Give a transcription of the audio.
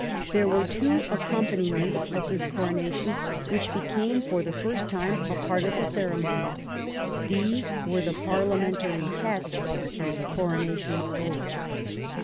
There were two accompaniments of this coronation which became for the first time a part of the ceremony. These were the parliamentary test and the coronation oath.